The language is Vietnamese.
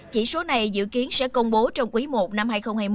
chỉ số này dự kiến sẽ công bố trong quý i năm hai nghìn hai mươi một